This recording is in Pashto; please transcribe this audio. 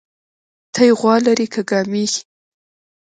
تى غوا لرى كه ګامېښې؟